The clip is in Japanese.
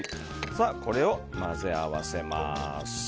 これを混ぜ合わせます。